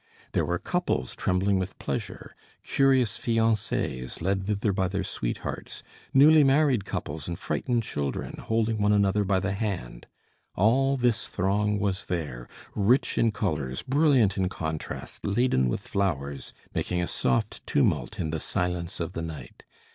There were couples trembling with pleasure, curious fiancées, led thither by their sweethearts, newly married couples and frightened children, holding one another by the hand. All this throng was there, rich in colors, brilliant in contrast, laden with flowers, making a soft tumult in the silence of the night.